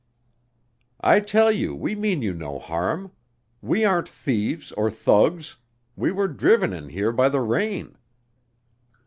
"I tell you we mean you no harm. We aren't thieves or thugs. We were driven in here by the rain."